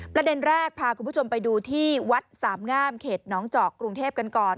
ประเด็นแรกพาคุณผู้ชมไปดูที่วัดสามงามเขตน้องเจาะกรุงเทพกันก่อน